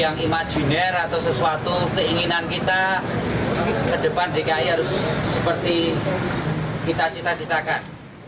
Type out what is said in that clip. yang imajiner atau sesuatu keinginan kita ke depan dki harus seperti kita cita citakan